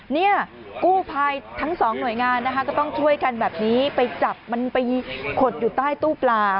เนี่ยกู้ภัยทั้งสองหน่วยงานนะคะก็ต้องช่วยกันแบบนี้ไปจับมันไปขดอยู่ใต้ตู้ปลา